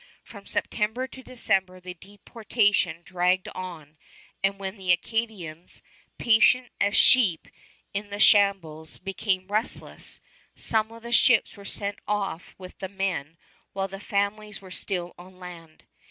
From September to December the deportation dragged on, and when the Acadians, patient as sheep at the shambles, became restless, some of the ships were sent off with the men, while the families were still on land.